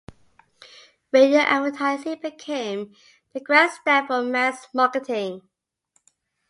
Radio advertising became the grandstand for mass marketing.